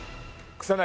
草薙。